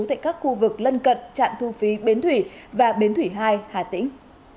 tại các khu vực lân cận trạm thu phí bến thủy và bến thủy hai hà tĩnh